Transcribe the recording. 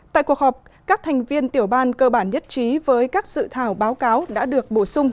tại cuộc họp các thành viên tiểu ban cơ bản nhất trí với các dự thảo báo cáo đã được bổ sung